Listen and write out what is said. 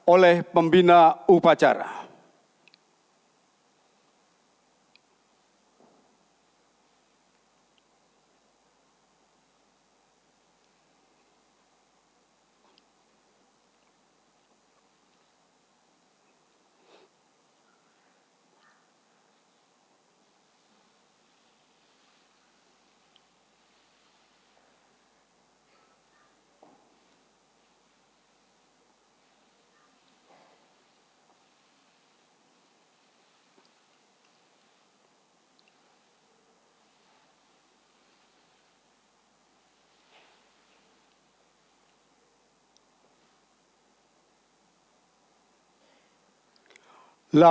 oleh pembina upacara